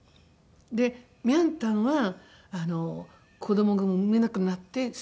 でミャンたんは子どもが産めなくなって捨てられたの。